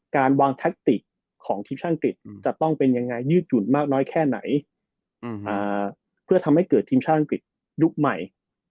การวางแทคติกของทีมชาติอังกฤษจะต้องเป็นยังไงยืดหยุ่นมากน้อยแค่ไหนเพื่อทำให้เกิดทีมชาติอังกฤษยุคใหม่